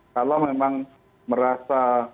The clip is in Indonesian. kalau memang merasa